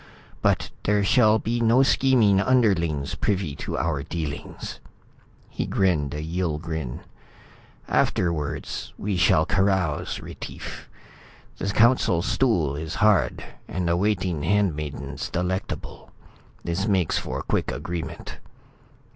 But there shall be no scheming underlings privy to our dealings." He grinned a Yill grin. "Afterwards we shall carouse, Retief. The Council Stool is hard and the waiting handmaidens delectable. This makes for quick agreement."